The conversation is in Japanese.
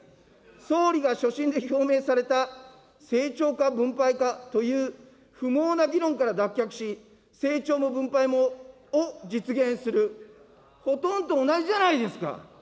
総理が所信で表明された成長か分配かという不毛な議論から脱却し、成長も分配もを実現する、ほとんど同じじゃないですか。